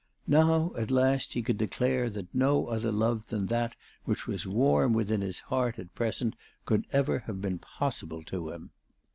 Now, at last, he cfluld declare that no other love than that which was warm within his heart at present could ever have been possible to him.